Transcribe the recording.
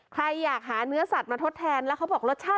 นี่หานหนูหันนะคะ